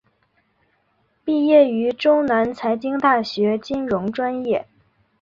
毕业于中南财经大学金融专业。